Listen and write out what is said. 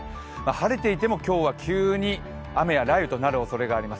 晴れていても今日は急に雨や雷雨になるおそれがあります。